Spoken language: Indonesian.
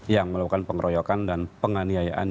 yang melakukan pengeroyokan dan penganiayaan